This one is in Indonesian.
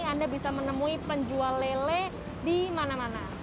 anda bisa menemui penjual lele di mana mana